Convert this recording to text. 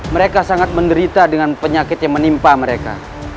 mereka sangat menderita dengan penyakit yang menimpa mereka